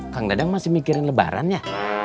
kang dadang masih mikirin lebaran ya